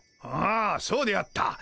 ああそうであった。